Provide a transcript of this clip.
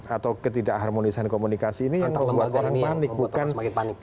atau ketidak harmonisan komunikasi ini yang membuat orang panik bukan